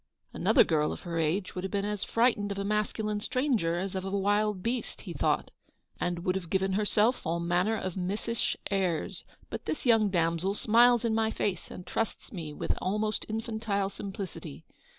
"Another girl of her age would have been as frightened of a masculine stranger as of a wild beast/' he thought, " and would have given her self all manner of missish airs; but this young damsel smiles in my face, and trusts me with almost infantile simplicity.